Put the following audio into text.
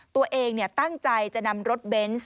ตัวเองตั้งใจจะนำรถเบนส์